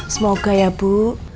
semoga ya bu